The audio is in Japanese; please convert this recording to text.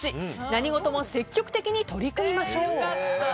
何事も積極的に取り組みましょう。